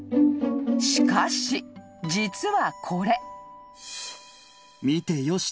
［しかし実はこれ］